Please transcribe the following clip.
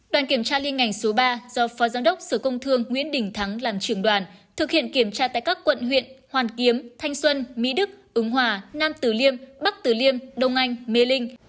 đoàn kiểm tra liên ngành số ba do phó giám đốc sở công thương nguyễn đình thắng làm trường đoàn thực hiện kiểm tra tại các quận huyện hoàn kiếm thanh xuân mỹ đức ứng hòa nam tử liêm bắc tử liêm đông anh mê linh